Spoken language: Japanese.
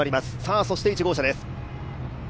そして１号車です。